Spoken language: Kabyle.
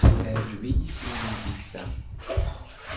Teɛjeb-iyi tririt-a.